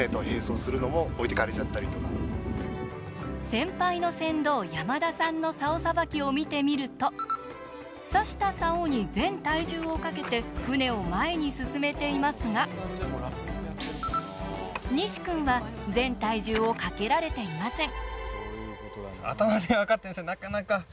先輩の船頭・山田さんのサオさばきを見てみるとさしたサオに、全体重をかけて船を前に進めていますが西君は全体重をかけられていません。